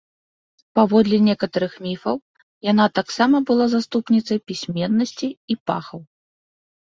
Паводле некаторых міфаў, яна таксама была заступніцай пісьменнасці і пахаў.